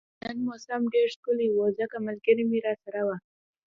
نن موسم ډیر ښکلی وو ځکه ملګري مې راسره وو